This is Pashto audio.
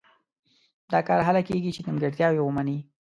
دا کار هله کېږي چې نیمګړتیاوې ومني.